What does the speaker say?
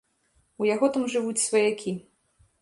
У яго там жывуць сваякі.